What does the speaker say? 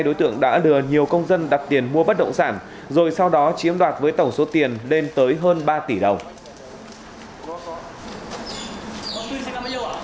đối tượng đã lừa nhiều công dân đặt tiền mua bất động sản rồi sau đó chiếm đoạt với tổng số tiền lên tới hơn ba tỷ đồng